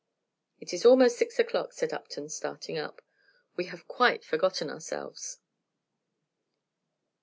"It is almost six o'clock," said Upton, starting up. "We have quite forgotten ourselves."